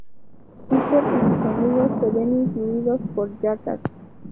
Peter y sus amigos se ven influidos por "Jackass".